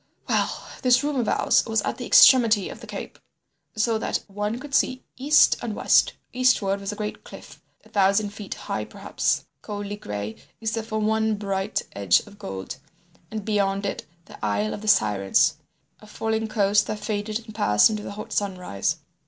"Well, this room of ours was at the extremity of the cape, so that one could see east and west. Eastward was a great cliff—a thousand feet high perhaps—coldly gray except for one bright edge of gold, and beyond it the Isle of the Sirens, and a falling coast that faded and passed into the hot sunrise.